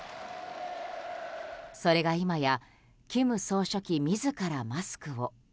それが今や金正恩総書記自らマスクを。